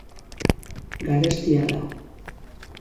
Garestia da.